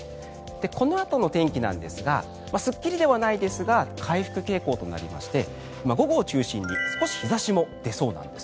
このあとの天気ですがすっきりではないですが回復傾向となりまして午後を中心に少し日差しも出そうなんです。